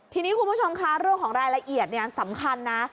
ทีนี้คุณผู้ชมคะเรื่องของรายละเอียดสำคัญนะ